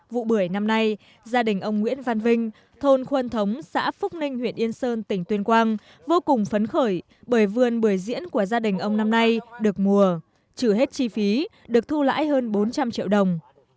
vụ bưởi năm nay gia đình ông nguyễn văn vinh thôn khuân thống xã phúc ninh huyện yên sơn tỉnh tuyên quang vô cùng phấn khởi bởi vườn bưởi diễn của gia đình ông năm nay được mùa trừ hết chi phí được thu lãi hơn bốn trăm linh triệu đồng